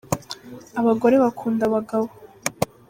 abagore bakunda abagabo